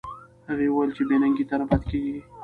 هغې وویل چې بې ننګۍ ته نه پاتې کېږي.